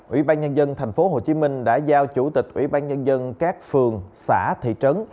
ủy ban nhân dân tp hcm đã giao chủ tịch ủy ban nhân dân các phường xã thị trấn